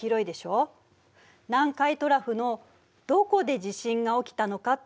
南海トラフのどこで地震が起きたのかっていうのも重要なの。